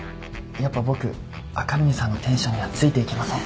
やっぱ僕赤嶺さんのテンションにはついていけません。